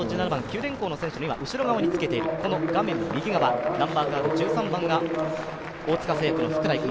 電工の選手の後ろ側につけている、ナンバーカード１３番が大塚製薬の福良郁美。